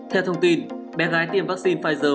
theo thông tin bé gái tiêm vaccine pfizer